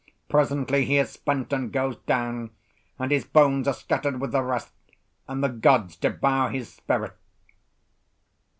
Presently he is spent and goes down, and his bones are scattered with the rest, and the gods devour his spirit."